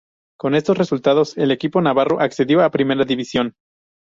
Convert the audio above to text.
Con estos resultados, el equipo navarro accedió a Primera División.